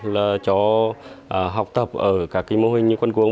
là cho học tập ở các cái mô hình như quân quân